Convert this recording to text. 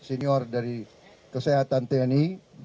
senior dari kesehatan tni